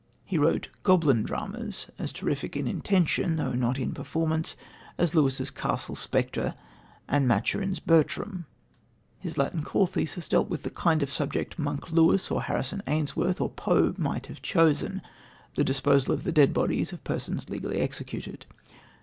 He wrote "goblin dramas" as terrific in intention, but not in performance, as Lewis's Castle Spectre and Maturin's Bertram. His Latin call thesis dealt with the kind of subject "Monk" Lewis or Harrison Ainsworth or Poe might have chosen the disposal of the dead bodies of persons legally executed.